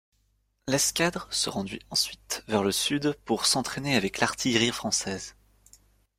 L'escadre se rendit ensuite vers le sud pour s'entraîner avec l'artillerie française.